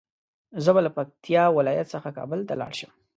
زه به له پکتيا ولايت څخه کابل ته لاړ شم